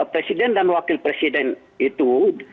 presiden dan wakil presiden itu